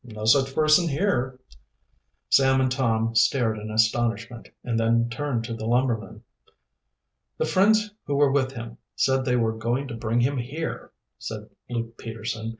"No such person here." Sam and Tom stared in astonishment, and then turned to the lumberman. "The friends who were with him said they were going to bring him here," said Luke Peterson.